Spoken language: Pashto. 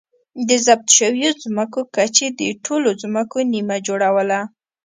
د ضبط شویو ځمکو کچې د ټولو ځمکو نییمه جوړوله